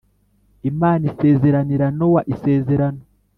Imana isezeranira nowa isezerano